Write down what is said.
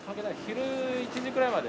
昼１時くらいまで。